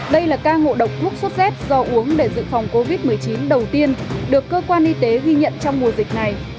đây là ca ngộ độc thuốc sốt z do uống để dự phòng covid một mươi chín đầu tiên được cơ quan y tế ghi nhận trong mùa dịch này